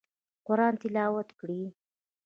قرآن تلاوت کړئ